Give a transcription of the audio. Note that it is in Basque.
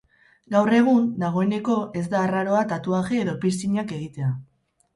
Gaur egun, dagoeneko ez da arraroa tatuaje edo percingak egitea.